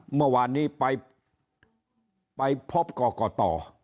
เมื่อวานนี้ไปไปพบก่อก่อต่อ